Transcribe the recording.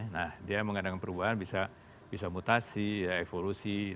nah dia mengadakan perubahan bisa mutasi evolusi